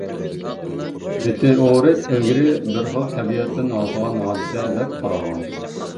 مېتېئورىت ئىلگىرى بىر خىل تەبىئەتتىن ھالقىغان ھادىسە دەپ قارالغان.